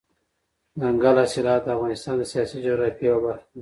دځنګل حاصلات د افغانستان د سیاسي جغرافیې یوه برخه ده.